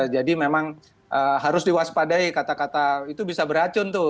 jadi memang harus diwaspadai kata kata itu bisa beracun tuh